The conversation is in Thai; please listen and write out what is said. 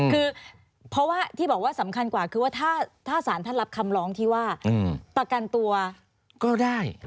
คือเพราะว่าที่บอกว่าสำคัญกว่าคือว่าถ้าสารท่านรับคำร้องที่ว่าประกันตัวก็ได้